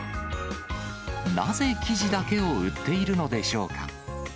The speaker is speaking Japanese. なぜ生地だけを売っているのでしょうか。